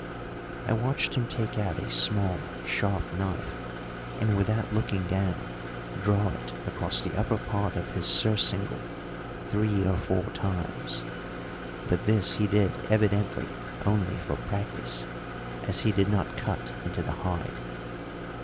I watched him take out a small sharp knife and without looking down draw it across the upper part of his surcingle three or four times; but this he did evidently only for practice, as he did not cut into the hide.